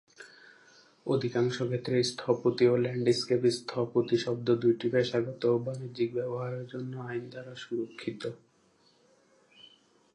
অধিকাংশ ক্ষেত্রে "স্থপতি" ও "ল্যান্ডস্কেপ স্থপতি" শব্দ দুইটি পেশাগত ও বাণিজ্যিক ব্যবহারের জন্য আইন দ্বারা সুরক্ষিত।